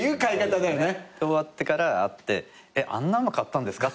終わってから会ってあんなの買ったんですか！？